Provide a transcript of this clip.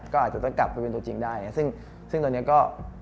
ก็อาจจะต้องกลับไปเป็นตัวจริงได้ซึ่งตอนนี้ก็